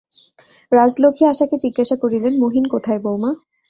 রাজলক্ষ্মী আশাকে জিজ্ঞাসা করিলেন, মহিন কোথায়, বউমা।